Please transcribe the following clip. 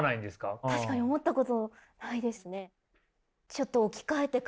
確かに思ったことないですね。